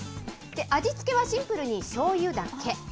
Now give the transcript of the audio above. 味付けはシンプルにしょうゆだけ。